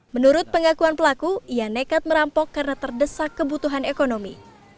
menurut pengakuan pelaku ia nekat merampok karena terdesak kebutuhan ekonomi